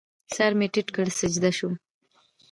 سر مې ټیټ کړ، سجده شوم